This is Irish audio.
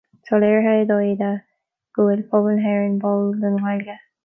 Tá léirithe i dtaighde go bhfuil pobal na hÉireann báúil don Ghaeilge